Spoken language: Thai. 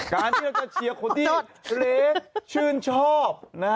การที่เราจะเชียร์คนที่เล็กชื่นชอบ